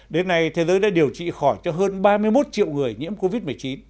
đến nay thế giới đã điều trị khỏi cho hơn ba mươi một triệu người nhiễm covid một mươi chín